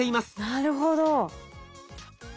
なるほど。